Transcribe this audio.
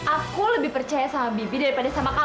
aku lebih percaya sama bibi daripada sama kamu